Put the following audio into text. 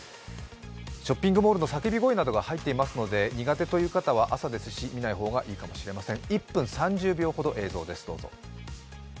ショッピングモールの叫び声などが入っていますので、苦手という方は、朝ですし見ない方がいいかもしれません。